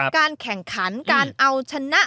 การแข่งขันการเอาชนะ